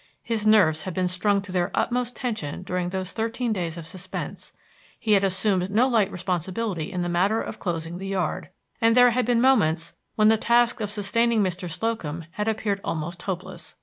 His nerves had been strung to their utmost tension during those thirteen days of suspense; he had assumed no light responsibility in the matter of closing the yard, and there had been moments when the task of sustaining Mr. Slocum had appeared almost hopeless.